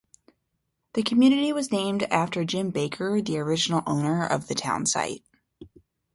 The community was named after Jim Baker, the original owner of the town site.